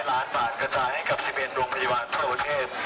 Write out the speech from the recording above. ๗๐๐ล้านบาทกระจายให้กับ๑๑ดวงพยาบาลประเทศ